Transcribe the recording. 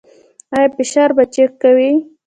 ایا فشار به چیک کوئ؟